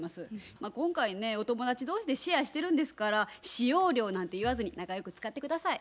今回ねお友達同士でシェアしてるんですから使用料なんて言わずに仲良く使って下さい。